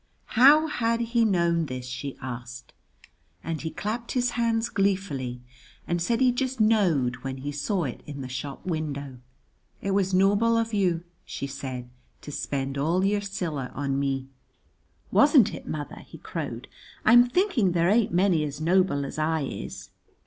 How had he known this, she asked, and he clapped his hands gleefully, and said he just knowed when he saw it in the shop window. "It was noble of you," she said, "to spend all your siller on me." "Wasn't it, mother?" he crowed "I'm thinking there ain't many as noble as I is!"